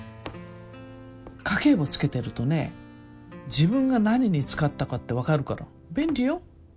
家計簿つけてるとね自分が何に使ったかって分かるから便利よ。